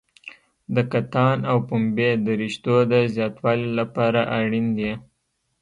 د کتان او پنبې د رشتو د زیاتوالي لپاره اړین دي.